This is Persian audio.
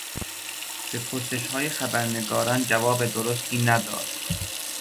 به پرسشهای خبرنگاران جواب درستی نداد.